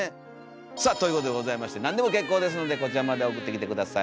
さあということでございまして何でも結構ですのでこちらまで送ってきて下さい。